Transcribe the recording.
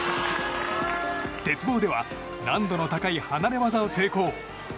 鉄棒では難度の高い離れ技を成功。